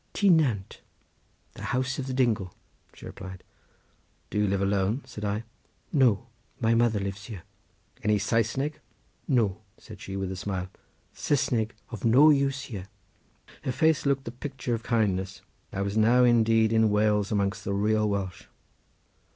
"Tŷ Nant—the House of the Dingle," she replied. "Do you live alone?" said I. "No; mother lives here." "Any Saesneg?" "No," said she with a smile, "S'sneg of no use here." Her face looked the picture of kindness, I was now indeed in Wales amongst the real Welsh.